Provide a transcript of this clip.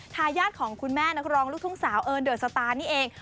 ทายาทของคุณแม่นักร้องลูกทุ่งสาวเอิญเดอร์สตาร์นี่เอง